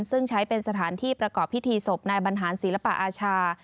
ซึ่งใช้เป็นสถานที่ประกอบพิธีศพนายบรรหารศิลปอาชา